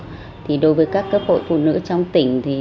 đối với các cấp hội phụ nữ trong tỉnh đối với các cấp hội phụ nữ trong tỉnh